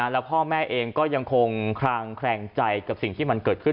แล้วพ่อแม่เองก็ยังคงคลางแคลงใจกับสิ่งที่มันเกิดขึ้น